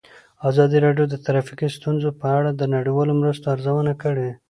ازادي راډیو د ټرافیکي ستونزې په اړه د نړیوالو مرستو ارزونه کړې.